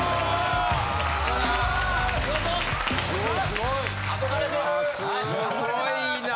すごいな。